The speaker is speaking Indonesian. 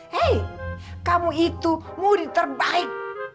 hei kamu itu murid terbaik